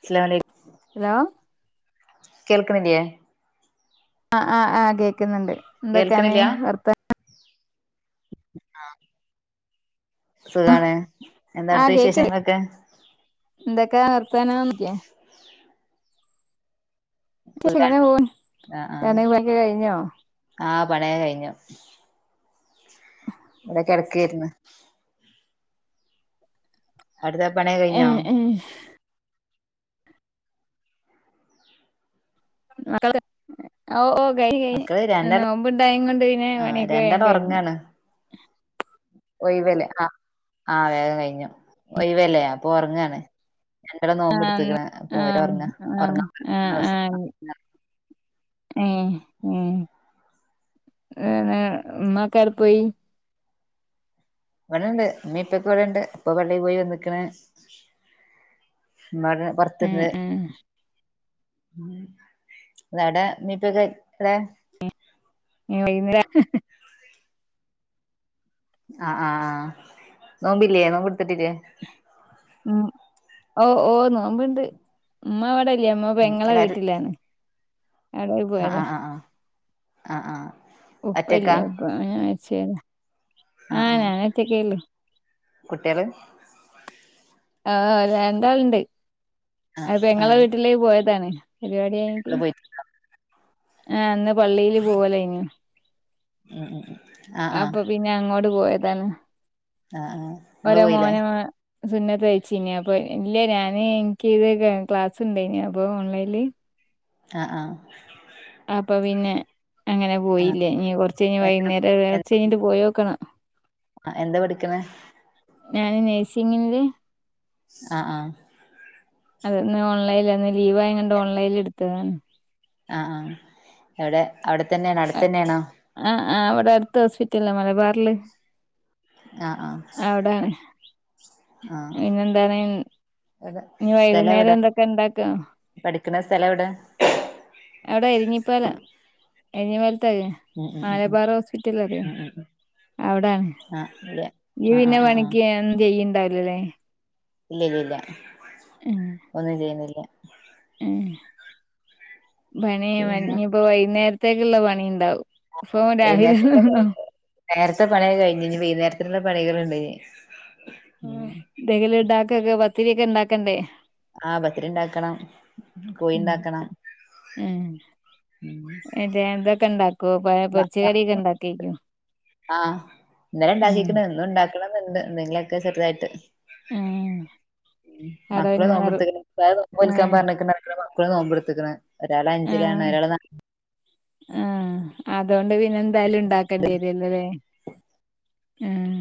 അസ്സലാമു അലൈക്കും ഹലോ കേൾക്കണില്ലേ? അഹ് ആഹ് ആഹ് കേക്കുന്നുണ്ട്. എന്തൊക്കെയാണ് കേൾക്കണില്ല വർത്താ ആഹ് സുഖാണ്. എന്താ ആഹ് അവിടുത്തെ കേക്കല് വിശേഷങ്ങളൊക്കെ എന്തൊക്കെയാ വർത്താനം? [unintelligible] സുഖാണ് എങ്ങനെ പോണ്? പണിയൊക്കെ കഴിഞ്ഞോ? ആഹ് പണിയൊക്കെ കഴിഞ്ഞു. ഇവിടെ കെടക്കേയിര്ന്ന്. അവിടുത്തെ പണിയൊക്കെ കഴിഞ്ഞോ? ഉം മക്കള് ഓഹ് ഓഹ് കഴി കഴിഞ്. മക്കള് രണ്ടാള് നോമ്പ്ണ്ടായിങ്ങൊണ്ട് പിന്നെ ആ പണിയൊക്കെ വേഗം രണ്ടാള് കഴിഞ്ഞു. [unintelligible] ഒയിവല്ലേ. അ ആഹ് വേഗം കയിഞ്ഞു. ഒയിവല്ലേ അപ്പൊ ഒറങ്ങാണ് രണ്ടാളും നോമ്പ്ടുത്ത്ക്ക്ണ്. അപ്പൊ ഓര് ആഹ് ഒറങ്ങ ഒറങ്ങാ [unintelligible] രസം ഏഹ് ഏഹ് ഉം ഉം ഉമ്മക്കെ എവടെ പോയി? ഇവടെണ്ട്, ഉമ്മേം ഉപ്പക്കെ ഇവടെണ്ട്. ഉപ്പ പള്ളീ പോയി വന്ന്ക്ക്ണ്. ഉമ്മ ആടെ ആ പൊറത്ത്ണ്ട്. ആ ഇങ്ങടെ ഉമ്മെ ഉപ്പക്കെ എടെ? [unintelligible] ആഹ് ആഹ് ആഹ് നോമ്പില്ലേ, നോമ്പ്ട്ത്തിട്ടില്ലേ? ഉം ഓഹ് ഓഹ് നോമ്പ്ണ്ട്. ഉമ്മ ഇവിടില്ല. ഉമ്മ ഉം പെങ്ങളെ വീട്ടിലാണ്. അവിടെ അ പോയതാ ആഹ് അ ആഹ് അ ആഹ് ഒറ്റക്കാ ഉപ്പല്ല്യ ഉപ്പ മരിച്ക്ക്ണ്. ആഹ് ആഹ് ചെക്കയ്യുമമ്പെ കുട്ടികള്? ആഹ് രണ്ടാളുണ്ട്. ആഹ് അവര് പെങ്ങളെ ആഹ് വീട്ടില് പോയതാണ്. പരിവാടി കൈഞ്ഞിട്ട്, അവിടെ പോയി ആഹ് ഇന്ന് പള്ളീല് പോവലേയിനു. [unintelligible] ആഹ് അപ്പ പിന്നെ അങ്ങോട് പോയതാണ്. ആഹ് ആഹ് നിങ്ങള് ഓരെ പോയില്ലേ മോനെ സുന്നത്തയ്ചിന്. അപ്പൊ ഇല്ല ഞാന് എനിക്ക് ഇത് ക്ലാ ക്ലാസ്‌ണ്ടേയിന് അപ്പൊ ഓൺലൈനില് ആഹ് ആഹ് അപ്പൊ പിന്നെ അങ്ങനെ ആഹ് പോയില്യ, ഇനി കൊറച്ചയിഞ് എന്താ വൈകുന്നേരം കൊറച്ചയിഞ്ഞിട്ട് പോയോക്കണം. ആഹ് എന്താ പഠിക്ക്ണ്? ഞാന് നേഴ്സിംഗില് ആഹ് ആഹ് അതെ ഇന്ന് ഓൺലൈൻലാന്ന് ലീവായങ്ങാണ്ട് ഓൺലൈൻല് എടുത്തതാണ്. ആഹ് എവടെ അവടെ തന്നെയാണോ അടുത്തന്നെയാണോ? ആഹ് ആഹ് ഇവടെ അടുത്ത ഹോസ്പിറ്റലാ മലബാറില് ആഹ് ആഹ് ആഹ് ഇന്നെന്താണ് എവിടെ ഇനി സ്ഥലം വൈകുന്നേരം എവിടെ എന്തൊക്കെണ്ടാക്കാ? പഠിക്കണ സ്ഥലെവടെ? അവടെ എരിഞ്ഞിപ്പാലം എരിഞ്ഞിപ്പാലത്തെ ഉം ഉം ഉം ഉം മലബാറ് ഹോസ്പിറ്റലറിയോ? അവിടാണ് ആഹ് ഇല്ല ഇയ്യ് ആഹ് പിന്നെ ആഹ് ആഹ് ആഹ് പണിക്ക് ഒന്നും ചെയ്യ്ണ്ടാവിലലേ ഇല്യ ഇല്യ ഇല്യ ഉം ഒന്നും ചെയ്യുന്നില്യ ഉം പണി പിന്നെ ഇനിപ്പോ വൈന്നേരത്തേക്കിള്ള പണിണ്ടാവും വൈന്നേരത്തേക്കിള്ള പണിണ്ടാവും നേരത്തെ പണിയൊക്കെ കയിഞ്ഞ്, ഇനി വൈന്നേരത്തിനിള്ള പണികള്ണ്ട് ഇനി. ഉം എന്തെങ്കിലും ഇണ്ടാക്കൊക്കെ പത്തിരിയൊക്കെ ഇണ്ടാക്കണ്ടേ? ആ പത്തിരി ഇണ്ടാക്കണം ഉം കോയിണ്ടാക്കണം ഉം ഏഹ് ഇതൊക്കെണ്ടാക്കോ പ മ പൊരിച്ച മ കടിയൊക്കെ ഇണ്ടാക്കേയ്ക്കും ഉം ണന്ന്ണ്ട് എന്തെങ്കിലൊക്കെ ചെറുതായിട്ട് ഉം ഉം അവിടെ മക്കള് പിന്നെ നിറ നോമ്പ്ട്ത്ത്ക്ക്ണ് ഉസ്താദ് നോമ്പ് ആ നോൽക്കാൻ പറഞ്ഞ്ക്ക്ണ് [unintelligible] മക്കള് നോമ്പെടുത്ത്ക്ക്ണ് ഒരാളഞ്ചിലാണ് ഒരാള് [unintelligible] ആഹ് അതോണ്ട് പിന്നെന്തായാലും ഇണ്ടാക്കണ്ടിരില്ലലെ ആഹ്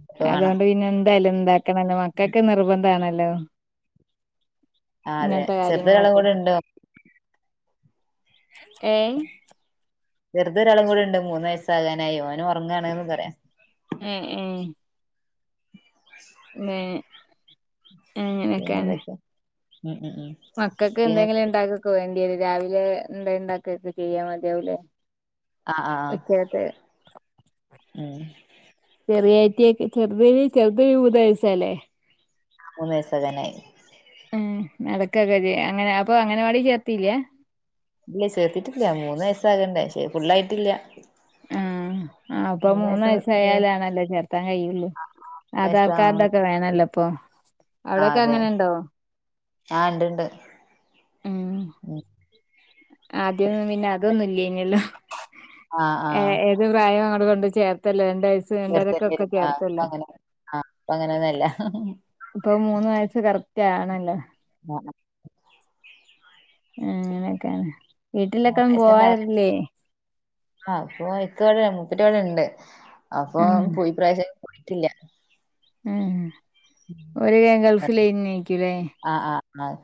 നാലിലൊക്കെ വേണം അതോണ്ട് പിന്നെന്തായാലും ഇണ്ടാക്കണല്ലോ മക്കക്ക് നിർബന്ധാണല്ലോ ആഹ് അതെ ഇങ്ങൻത്തെ ചെറുത് ഒരാളും കാര്യങ്ങളൊക്കെ കൂടെ ഉണ്ട് ഏഹ് ചെറുതൊരാളും കൂടെണ്ട് മൂന്നയസ്സകാനായി ഓന് ഒറങ്ങാണ്ന്ന് പറയാ. ഉം ഉം [unintelligible] [unintelligible] ഉം ഉം ഉം മക്കക്ക് പിന്നെ എന്തെങ്കിലു ഇണ്ടാക്കൊക്കെ വേണ്ടി വെരു രാവിലെ എന്താ ഇണ്ടാക്കക്കെ ചെയ്യാ മതിയാവൂലേ ആഹ് ആഹ് വെക്കട്ടെ ഉം ചെറിയറ്റിയൊക്ക്‌ ചെറുതിന് ചെറുത് മൂന്ന് വയസല്ലേ മൂന്ന് വയസാകാനായി ഏഹ് അതൊക്കെ കഴി അങ്ങനെ അപ്പൊ അങ്ങനവാടി ചേർത്തീല്യ? ഇല്യ ചേർത്തിട്ടില്യ മൂന്ന് വയസ്സാകണ്ടേ ഫുള്ളായിട്ടില്യ ആഹ് ആഹ് അപ്പൊ മൂന്ന് മുഴുവൻ വയസായാലാണല്ലോ ചേർത്താൻ കഴിയുള്ളൂ. ആധാർ വയസ്സാ കാർഡൊക്കെ വേണല്ലോ ഇപ്പൊ, അവിടൊക്കെ അങ്ങനെണ്ടോ? ആഹ് ഇണ്ട്ണ്ട് ഉം ആദ്യന്നും പിന്നെ അതൊന്നും ഇല്ല്യെഞ്ഞല്ലോ ആ ആ ഏഹ് ഏഹ് ഒരു പ്രായം അങ്ങട് കൊണ്ടോയി ചേർത്തല്ലെ രണ്ട് [unintelligible] ചേർത്തണ്ടേരും ആ പ്പ ചേർത്തല്ലേ അങ്ങനെ ആഹ് പ്പ അങ്ങനൊന്നല്ല. ഇപ്പൊ മൂന്ന് വയസ്സ് കറക്റ്റ് ആണല്ലോ [unintelligible] ഏഹ് അങ്ങെനെക്കാണ് വീട്ടിലൊക്കെം പോവാറ്ല്ലേ ആഹ് അപ്പൊ ഇക്കവെടെ മുപ്പെര്‌വെടെണ്ട് അപ്പൊ ആഹ് പോയ് ഇപ്രാവ്ശ്യം പോയിട്ടില്ലാ ഏഹ് ഏഹ് ആഹ് ആഹ്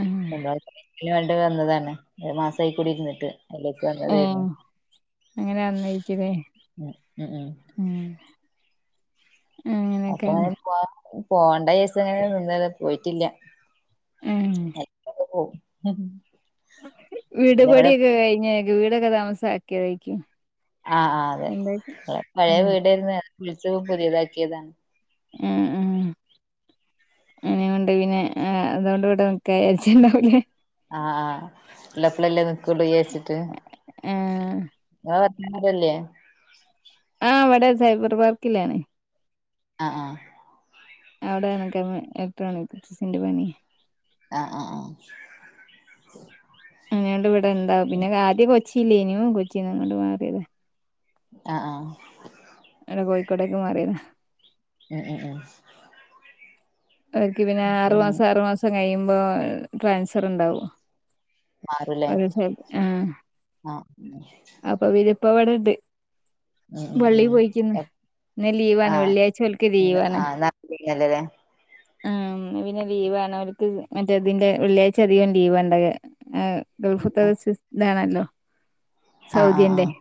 ആഹ് ണ് എന്ത [unintelligible] വേണ്ടി വെന്നതാണ് ഒരു മാസായി കുടിര്ന്ന്ട്ട് അയ്ലേക്ക് വന്നെതേയ്ര്ന്നു ഏഹ് അങ്ങനെ ഉം ഉം ഊം ഊം അപ്പൊങ്ങെനെ പോ പോണ്ടായാര്ച്ച്ങ്ങെനെ നിന്നത് പോയിറ്റില്ലാ ഉം ചെൽപ്പന്ന് പോവും ഉം ഉം വീട്പടിയൊക്കെ കഴിഞ്ഞായ്ക്കും വീടൊക്കെ താമസാക്ക്യെതെയ്ക്ക്യും ആഹ് ആഹ് അതെ പഴയ ഉം വീടേര്ന്ന് അത് പൊളിച്ച് പ്പൊ പുതിയതാക്കിയതാണ് ആഹ് ആഹ് ഉണ്ട് പിന്നെ ആഹ് അതുകൊണ്ട് ഇവിടെ നിക്കാചാര്ച്ച്ണ്ടാവുലെ ആഹ് ആഹ് ഇള്ളപ്പളല്ലേ നിക്കാെള്ളൂയാര്ച്ച്ട്ട് ഏഹ് ഇങ്ങെളെ ഭർത്താവ് ഇവെടെല്ല്യേ ആഹ് വെടെ സൈബർ പാർക്കിലാണ് ആഹ് ആഹ് അവ്ടേണ്ക്ക [unintelligible] എപ്പഴാണ് [unintelligible] ർസ്ന്റെ പണിയേ ആഹ് ആഹ് ആഹ് അങ്ങേണ്ട് വെടെ ഇണ്ടാവും പിന്നെ ആദ്യം കൊച്ചില്ലേനു കൊച്ചീന്ന് ഇങ്ങോട്ട് മാറ്യേതാ അഹ് ആഹ് ഇവെടെ കോഴിക്കോട്ടേക്ക് മാറിയെതാ എഹ് എഹ് എഹ് അവർക്ക് പിന്നെ ആറുമാസം ആറുമാസം കഴിയുമ്പോ ട്രാൻസ്ഫെർണ്ടാവു മാറൂല്ലേ ഒരു ചെ ആഹ് ആഹ് ഉം അപ്പൊ പിന്നെ ഇപ്പവെടെണ്ട് ഉം പള്ളീ ഉം പോയിക്ക്‌യ്ന്ന് ഇന്ന് ലീവാണ് വെള്ള്യാഴ്ച്ച ഒൽക്ക് ലീവാണ് ലീവാണ് ലെ ആഹ് പിന്നെ ലീവാണ് അവർക്ക് മറ്റേ തിന്റെ വെള്ള്യാഴ്ച്ച അധികം ലീവണ്ടാവാ ആ ആഹ് ഗൾഫ്ത്തെവെച്ച് താണല്ലോ ആഹ് സൗദിയന്റെ ആഹ്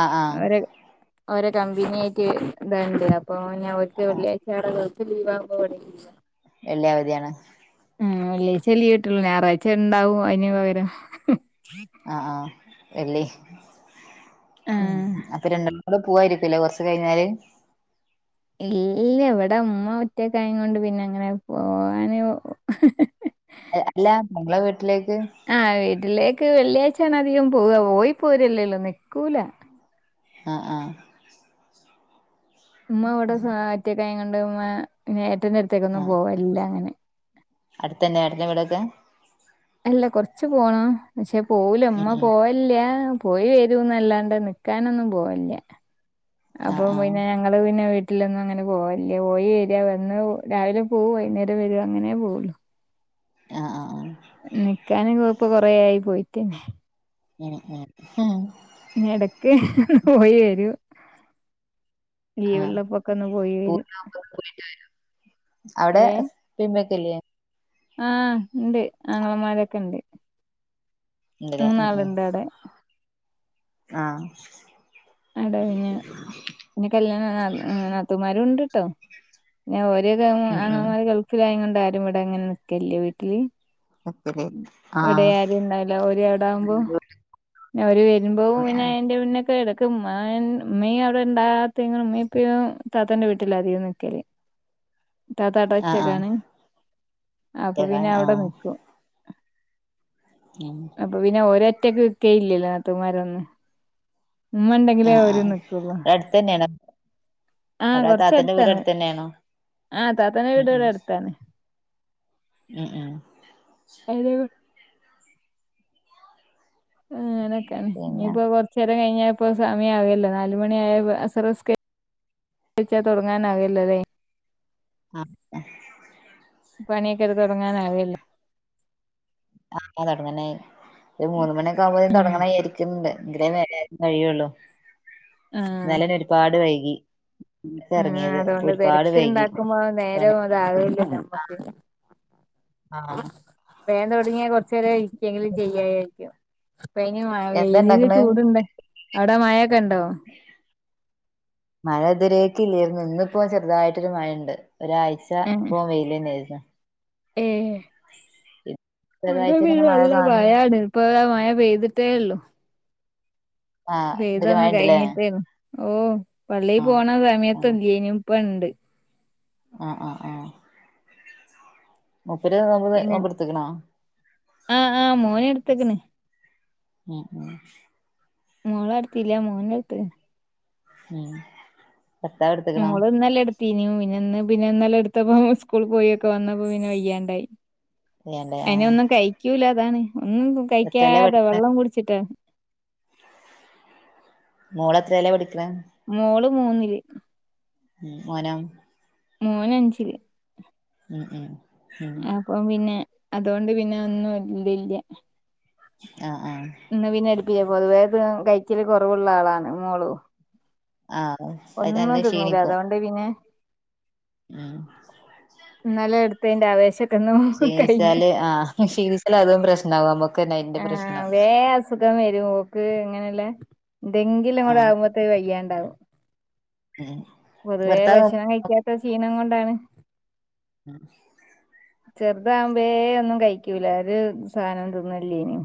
ആഹ് ആഹ് ഓരെ ഓരോ കമ്പിന്യായ്റ്റ് ഇത്ണ്ട് അപ്പോ ഞാ ഓൽക്ക് ആഹ് വെള്ള്യാഴ്ച്ച അവ്ടെ നി ടെ ലീവാവുമ്പം ഇവെടിം ലീവാ വെള്ളി അവധിയാണ് ഉം വെള്ള്യാഴ്ച്ചേ ലീവ് ട്ടൊള്ളൂ ഞാറായ്ച്ച ണ്ടാവും അയ്ന് പകരം ആഹ് ആഹ് വെള്ളി ഉം ആഹ് അപ്പ രണ്ടെണ്ണം ടെ പൂവായ്രിക്കുലെ കൊർച്ച് കയ്ഞ്ഞാല് ഇല്ല്യ വെടെ മ്മ ഒറ്റക്കായേം കൊണ്ട് പിന്നെ അങ്ങെനെ പോവാന് അൽ അല്ലാ നിങ്ങെളെ വീട്ട്ലേക്ക് ആഹ് വീട്ടിലേക്ക് വെള്ള്യായ്ച്ചേണധികം പോവാ പോയി പോരെല്ലെല്ലു നിക്കൂലാ ആഹ് ആഹ് ഉമ്മ വെടെ സാ ഒറ്റെക്കായ്ങ്ങൊണ്ട് മ്മാ പിന്നെ ഏട്ടെന്റെ അട്ത്തേക്കാെന്നും പോവലില്ല അങ്ങെനെ അട്ത്തെന്നെ ഏട്ടെന്റെ വീടൊക്കെ അല്ല കൊർച്ച് പോണം പക്ഷേ പോവൂല ഉം ഇമ്മ ഉം പോവെ ല്ല്യാ പോയി വെരുംന്നെല്ലാണ്ട് നിക്കാനൊന്നും പോവെൽല്ല്യാ ആ അപ്പൊ ആ പിന്നെ ആ ഞങ്ങള് പിന്നെ വീട്ടിലൊന്നും അങ്ങനെ പോവലില്ല പോയി വെരാ വന്ന് രാവിലെ പോകും വൈകുന്നേരം വെരും അങ്ങനെ പോവൊള്ളു ആഹ് ആഹ് അ ന്നിക്കാന് ഇപ്പ കൊറേ ആയി പോയിറ്റെനെ ആ ഹ് എടക്ക് ഹ് ഹ് പോയി വെരും ആ ലീവ്ള്ളപ്പൊക്കെ ഒന്ന് പോയി വരും പൂരം ഏഹ് ഉപ്പേം ഉമ്മേം ഒക്കെ ഇല്ലെ ആഹ് ഉണ്ട് ആങ്ങള മാരൊക്കെ ഉണ്ട് ഇണ്ട്ലെ ഉം അവടെ ആഹ ഒരാൾടെ കഴിഞ്ഞ് ഇനി കല്യാണം ന്നാത്തു നാത്തുമാരും ഉണ്ട്ട്ടൊ പിന്നെ ഓര് ഉം ഉം ആങ്ങളമാര് ഗൾഫിലായത് കൊണ്ട് ആരും ഇവിടെ അങ്ങനെ ന്നിക്കലില്ല വീട്ടില്. വെക്കല് ആ ഇവടേം ആരും ഇണ്ടാവില്ല ഓര് അവിട ആകുമ്പോ. പിന്നെ അവര് വരുമ്പൊ പിന്നെ അയ്‌ന്റെ മുനൊക്കെ വെരും ക്ക്‌ ഉമ്മ യ്ൻ ഉമ്മയും അവിടെ ഇണ്ടാകാത്തെ ഉമമീം ഉപ്പിയും താത്തന്റെ വീട്ടിലാ അധികം ന്നിക്കല്. ഇത്താത്ത അവടെ ആ ആ ഒറ്റക്കാണ് അപ്പൊ ഒറ്റക്കാ പിന്നെ ആ അവിടെ ന്നിക്കും. ഉം അപ്പൊ പിന്നെ ഓര് ഒറ്റക്ക് ന്നിക്കേയില്ലല്ലോ ന്നാത്തൂമാരൊന്നും ഉമ്മ ആ ഇണ്ടെങ്കിലേ ആ അവര് ന്നിക്കുക അവിടെ അടുത്ത് തന്നെയാണോ ആഹ് അവിടെ താത്തന്റെ വീട് കൊറച്ചടുത്താണ് അടുത്ത് തന്നെയാണോ ആഹ് താത്താന്റെ ഉം വീട് ഇവിടെ ഉം അടുത്താണ് ഉം ഉം [inaudible] അങ്ങനൊക്കെണ് ഇനി പിന്നെ ഇപ്പോ കൊറച്ച് നേരം കഴിഞാ ഇപ്പൊ സമയം ആവോലൊ നാല് മണിആയ അസറ് നിസ്കരി- രിച്ചാ തുടങ്ങാ നാവോലൊലെ ആഹ് പണിയൊക്കെ തുടങ്ങാനാ വോല്ലൊ അപ്പ തൊടങ്ങനായ് ഒരു മൂന്ന് മണിയൊക്കെ ആവുമ്പഴ്‌ത്തിനും തൊടങ്ങണം വിചാരിക്ക്ണ്ട്. അത്രേം വേഗം കഴിയോലോ ആഹ് ഇന്നലെനെ ഒരുപാട് വൈകി ന്നട്ടാ ആഹ് ഇറങ്ങിയത് അപ്പൊ അതുകൊണ്ട് ഒരുപാട് വൈകി തെരക്ക്ണ്ടാക്കുമ്പോ നേരം പണി- ഇതാവില്ല നമ്മക്ക് ആഹ് വേകം തുടങ്ങിയാ കൊറച്ചേരം ഇരിക്കെങ്കിലും ചെയ്യാ വിജാരിക്കും. ഇപ്പ ഇനി മഴ എന്താ വെയ്ല് ഇണ്ടാക്കണെ ചൂട്ണ്ട് അവിടെ മഴൊക്കെ ഇണ്ടോ? മഴ ഇത് വെരേക്ക്‌ ഇല്ലേര്ന്നു ഇന്നിപ്പോ ചെറുതായിട്ടൊരു മഴയ്ണ്ട് ഒരാഴ്ച ഏഹ് ഇപ്പൊ വെയ്ലെനെ ആയിരുന്നു. ഏഹ് മഴ ചെറുതായിട്ട് ഇങ്ങനെ മഴ വിലുള്ളത് കാണുന്നുണ്ട് അതാണ് ഇപ്പ താ മഴ പെയ്ത്ട്ടേ ഉള്ളു ആഹ് ഇതില് പെയ്തൊന്ന് മഴണ്ട്ല്ലേ കഴിഞ്ഞിട്ട് ഓ പള്ളി ആഹ് പോണ സമയത്ത് ആഹ് കയ്ഞ്ഞു ഇപ്പ ഇണ്ട് അഹ് അഹ് ആ മുപ്പര് നോമ്പ് നോമ്പ് ഇട്ത്ത്ക്ക്‌ണോ? ആഹ് ആഹ് മോന് എട്ത്ത്ക്ക്‌ണ് ഉം ഉം മോള് എട്ത്തിലാ മോന് എട്ത്ത്ക്ക്‌ണ് ഉം ഭർത്താവ് എടുത്ത്ക്കണോ മോള് ഇന്നലെ എട്- ത്ത്നിം പിന്നെയും പിനിന്ന് പിനിന്നലെ എടുത്തപ്പം ഉസ്കൂൾക്ക്‌ പോയൊക്കെ വന്നപ്പോ പിന്നെ വയ്യാണ്ടായി. ഇല്ലാല്ലേ എയ്ന് ആഹ് ഒന്നും കഴിക്കൂല അതാണ് ഒന്നും എത്രേലാ കഴിക്കാതെ പഠിക്കണെ വെള്ളം കുടിച്ചിട്ടാണ് മോള് എത്രേലാ പഠിക്ക്ണ് മോള് മൂന്നില് ഉം മോനോ മോനഞ്ചില് ഉം ഉംഉം പ്പം പിന്നെ അതോണ്ട് പിന്നെ ഒന്നും ഇതില്ല ആഹ് ആഹ് ഇന്ന് പിന്നെ ഹെൽപ്പെയ്യ പൊതുവെ കൈച്ചല് കുറവുള്ള ആളാണ് മോളു ആഹ് അതെ ഒന്നും തിന്നൂല അതോണ്ട് പിന്നെ ഉം ഇന്നലെ എടുത്തയ്ന്റെ ആവേശക്കെന്നോ കഴിഞ്ഞ് ശീരിസൽ അതും പ്രശനാവും അമ്മക്ക് ആഹ് വേ അസുഖം വരും ഓക്ക് ഇങ്ങനെയല്ല എന്തെങ്കിലും അങ്ങട് ആഹ് ആവുമ്പോ ത്തെ വയ്യാണ്ടാവും ആഹ് പൊതുവേ ഭക്ഷണം കഴിക്കാത്ത ക്ഷീണം കൊണ്ടാണ് ചെറുതാവുമ്പേ ഒന്നും കഴിക്കൂല ഒരു സാധനം തിന്നലില്ലെനി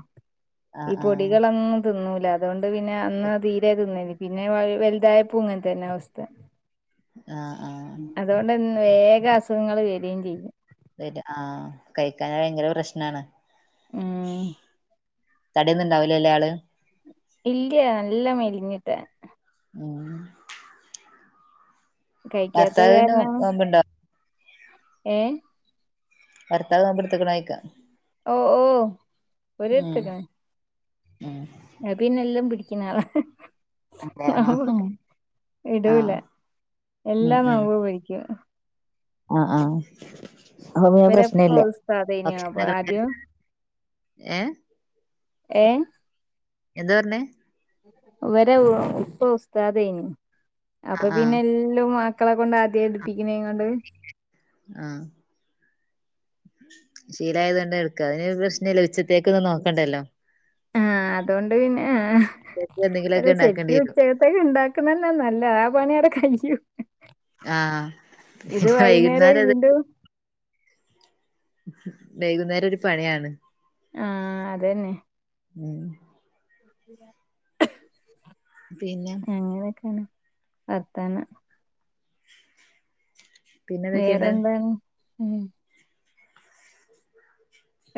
ആഹ് ഈ ആഹ് പൊടികളൊന്നും തിന്നൂല അതോണ്ട് പിന്നെ അന്ന് തീരെ തിന്നനി പിന്നെ വ വലുതായപ്പൊങ്ങൻ തന്നെ അവസ്ഥ ആഹ് ആഹ് അതുകൊണ്ടന്നെ വേഗം അസുഖങ്ങള് വരേം ചെയ്യും [unintelligible] ആഹ് കഴിക്കാഞ്ഞ ഭയങ്കര പ്രശ്നാണ് ഉം തടിയൊന്നുണ്ടാവില്ലല്ലോ ആള് ഇല്ല നല്ല മെലിഞ്ഞിട്ട ആഹ് കഴിക്കാത്ത ഭർത്താവിന് കാരണം നോമ്പുണ്ടോ ഏഹ് വർത്താവ് ആത്ട്ത്ക്ക്ണോയ്ക്കാ ഓഹ് ഓഹ് ഉം ഉം അത് പിന്നെ എല്ലാം പിടിക്കുന്നാള അതെ ആഹ് ഇടൂല ആഹ് ഉം എല്ലാ ഉം മാവു വെഴിക്കും ആഹ് ആഹ് ഹോമിയോ ഇവരെപ്പ പ്രശ്നല്ല ഉസ്താദേനു അപ്പൊ ആദ്യം [unintelligible] ഏഹ് ഏഹ് എന്താ പറഞ്ഞെ ഇവരെ ഉപ്പ ഉസ്താദേനി ആ അപ്പൊ ആ പിന്നെ എല്ലാം വ ക്കളെ കൊണ്ട് ആദ്യേ എടുപ്പിക്ണേ കൊണ്ട് ആഹ് ശീലായതോണ്ട് എടുക്ക അതിന് പ്രശ്ന ഇല്ല ഉച്ചത്തേക്കൊന്നും നോക്കണ്ടല്ലോ ആഹ് അതോണ്ട് പിന്നെ അഹ് ഉച്ചക്ക് അല്ല എന്തെങ്കിലുമൊക്കെ ഉണ്ടാക്കേണ്ടി ശരിക്കും വരും ച്ചക്ക് ണ്ടാക്കുന്നന്നെ നല്ലേ ആ പണി ആടെ കയ്യും ആ ഇത് പിന്നെ വൈന്നേര വൈകുന്നേരം അത് ഇണ്ട് വൈകുന്നേരം ഒരു പണിയാണ് ആഹ് അതന്നെ ഉം [unintelligible] പിന്നെ അങ്ങനെക്കേണ് വർത്താനം പിന്നെന്തൊക്കെയുണ്ട് വേറെന്താണ് ഉം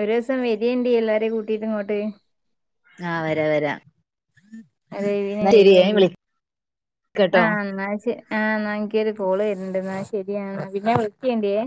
ഒരൂസം വരിയെണ്ടി എല്ലാരേം കൂട്ടീട്ട് ഇങ്ങോട്ട് ആ വരാ വരാ [unintelligible] എന്നാ ശരി ഞാൻ വരേണ്ടി ആ വിളിക്കട്ടോ ഇന്നാ ശെ ആ ഇന്നാ എനിക്കൊരു കോള് വരുന്നുണ്ട് ഇന്നാ ശരിയാ പിന്നെ വിളിക്ക്യേണ്ടിയെ